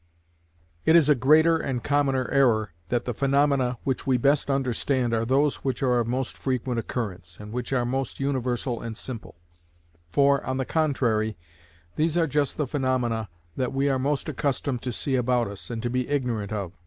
It is a greater and a commoner error that the phenomena which we best understand are those which are of most frequent occurrence, and which are most universal and simple; for, on the contrary, these are just the phenomena that we are most accustomed to see about us, and to be ignorant of.